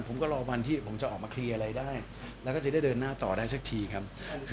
ผมก็รอวันที่ผมจะออกมาเคลียร์อะไรได้แล้วก็จะได้เดินหน้าต่อได้สักทีครับ